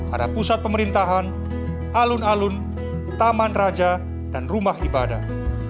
ada pusat pemerintahan alun alun taman raja dan rumah ibadah